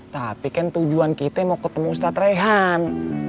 tapi kan tujuan kita mau ketemu ustad rehan